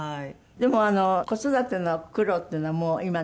でも子育ての苦労っていうのはもう今ないですか？